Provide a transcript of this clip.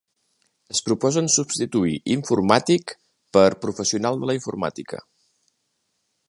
Ens proposen substituir informàtic per professional de la informàtica.